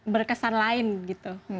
berkesan lain gitu